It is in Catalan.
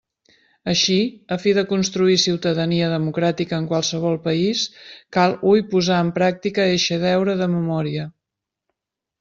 Així, a fi de construir ciutadania democràtica en qualsevol país, cal hui posar en pràctica eixe deure de memòria.